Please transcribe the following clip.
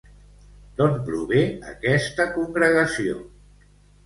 D'on prové aquesta congregació?